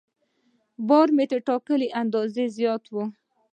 بار مې تر ټاکلي اندازې زیات و.